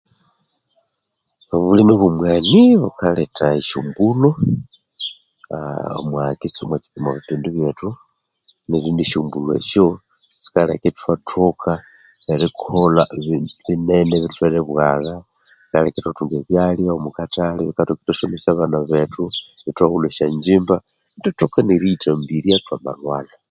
Obulime obw'omwani bukaletha esyombulho, aa omwa kitswe..omwa bipindi byethu, neryo nesyombulho esyo sikaleka ithwathoka erikolha ebindu binene ebithuthwere bwagha, bikaleka ithwathunga ebyalya omuakathali, bikaleka ithwasomesya abana bethu, ithwaghulha esyangyimba, ithwathoka neriyithambirya thwa malhwalha.